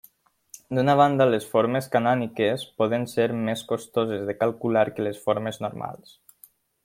D'una banda, les formes canòniques poden ser més costoses de calcular que les formes normals.